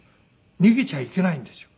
逃げちゃいけないんですよ。